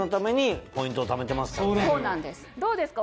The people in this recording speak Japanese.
どうですか？